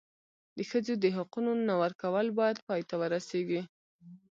د ښځو د حقونو نه ورکول باید پای ته ورسېږي.